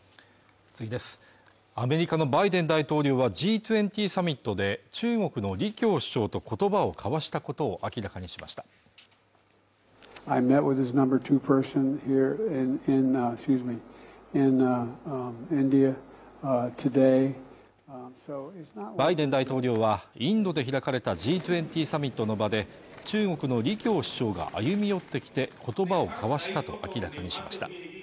アメリカのバイデン大統領はＧ２０サミットで中国の李強首相と言葉を交わしたことを明らかにしましたバイデン大統領はインドで開かれたＧ２０サミットの場で中国の李強首相が歩み寄ってきて言葉を交わしたと明らかにしました